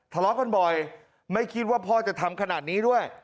ทะเลาะกันบ่อยไม่คิดว่าพ่อจะทำขนาดนี้ด้วย